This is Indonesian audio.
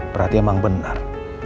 berarti emang benar